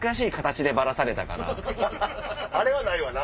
あれはないわな！